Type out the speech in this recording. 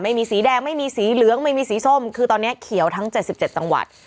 ไม่มีสีแดงไม่มีสีเหลืองไม่มีสีส้มคือตอนนี้เขียวทั้ง๗๗จังหวัด